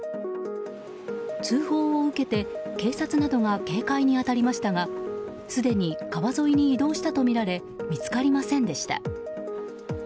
通報を受けて警察などが警戒に当たりましたがすでに川沿いに移動したとみられ見つかりませんでした。